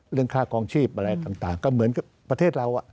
เรื่องค่ากองชีพอะไรต่างก็เหมือนกับประเทศเรา